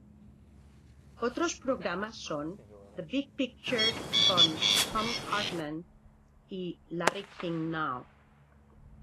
Otros programas son "The Big Picture con Thom Hartmann" y "Larry King Now".